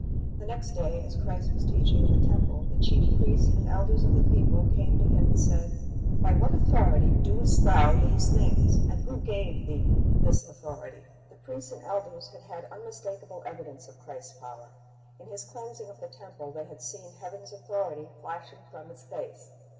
The next day, as Christ was teaching in the temple, the chief priests and elders of the people came to Him and said, "By what authority doest Thou these things? and who gave Thee this authority?" The priests and elders had had unmistakable evidence of Christ's power. In His cleansing of the temple they had seen Heaven's authority flashing from His face.